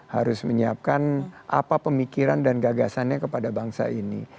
harus menyiapkan apa pemikiran dan gagasannya kepada bangsa ini